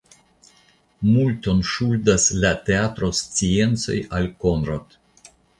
Multon ŝuldas la teatrosciencoj al Konrad.